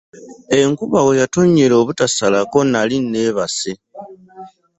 Enkuba we yatonnyera obutasalako nnali nneebase.